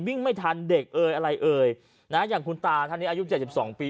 วิ่งไม่ทันเด็กเอ่ยอะไรเอ่ยนะอย่างคุณตาท่านนี้อายุเจ็ดสิบสองปี